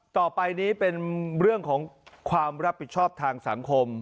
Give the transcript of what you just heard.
ต่อไปนี้เป็นเรื่องของความรับผิดชอบทางสังคม